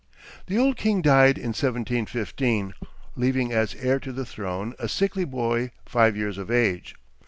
The old king died in 1715, leaving as heir to the throne a sickly boy five years of age.